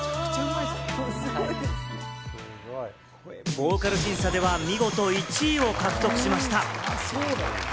ボーカル審査では見事１位を獲得しました。